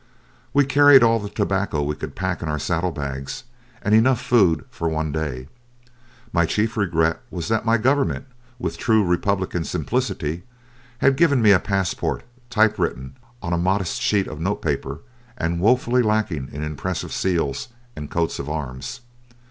We carried all the tobacco we could pack in our saddle bags, and enough food for one day. My chief regret was that my government, with true republican simplicity, had given me a passport, type written on a modest sheet of notepaper and wofully lacking in impressive seals and coats of arms.